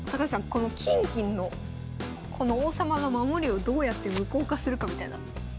この金銀のこの王様の守りをどうやって無効化するかみたいな。